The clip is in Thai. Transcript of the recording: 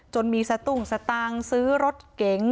จนมีสตุ้งสตางค์ซื้อรถเก๋ง